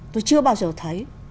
tôi chưa bao giờ thấy